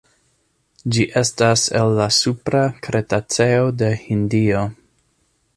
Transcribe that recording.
Ĝi estas el la supra kretaceo de Hindio.